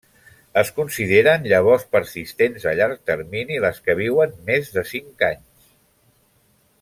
Es consideren llavors persistents a llarg termini les que viuen més de cinc anys.